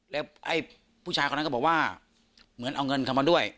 แล้วไอ้ผู้ชายคนนั้นก็บอกว่าเหมือนเอาเงินเข้ามาด้วย